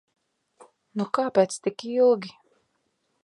Nu kāpēc tik ilgi?